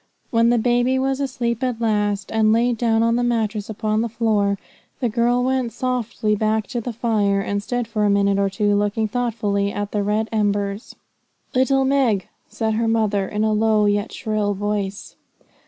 When the baby was asleep at last, and laid down on the mattress upon the floor, the girl went softly back to the fire, and stood for a minute or two looking thoughtfully at the red embers. 'Little Meg!' said her mother, in a low, yet shrill voice.